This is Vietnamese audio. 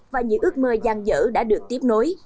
và những ước mơ gian dở đã được tiếp nối